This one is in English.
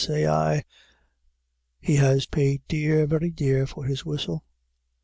_ say I, he has paid dear, very dear, for his whistle.